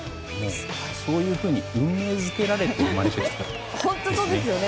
そういうふうに運命づけられて生まれてきたんですね。